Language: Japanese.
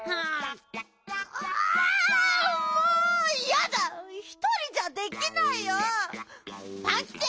あもうやだ！ひとりじゃできないよ！パンキチ！